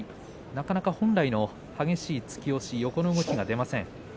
なかなか本来の激しい突き押し横の動きが出ません。